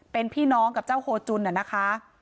เป็นพี่น้องกับเจ้าโฮจุนนะคะ